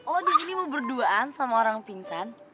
oh di sini mau berduaan sama orang pingsan